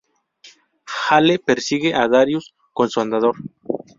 Hale persigue a Darius con su andador.